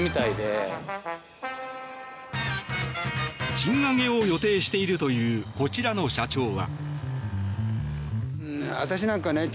賃上げを予定しているというこちらの社長は。